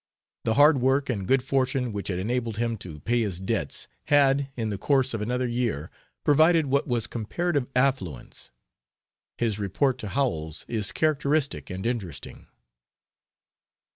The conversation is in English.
The hard work and good fortune which had enabled him to pay his debts had, in the course of another year, provided what was comparative affluence: His report to Howells is characteristic and interesting.